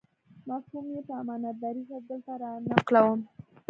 مفهوم یې په امانتدارۍ سره دلته رانقلوم.